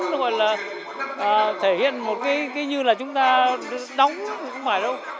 hoặc là thể hiện một cái như là chúng ta đóng không phải đâu